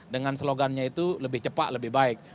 dengan slogannya itu lebih cepat lebih baik